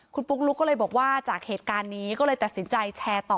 คุณปุ๊กลุ๊กก็เลยบอกว่าจากเหตุการณ์นี้ก็เลยตัดสินใจแชร์ต่อ